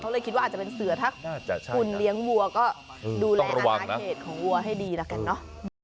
เลยคิดว่าอาจจะเป็นเสือถ้าคุณเลี้ยงวัวก็ดูแลอนาเขตของวัวให้ดีแล้วกันเนอะ